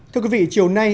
thưa quý vị chiều nay